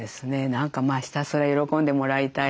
何かひたすら喜んでもらいたい。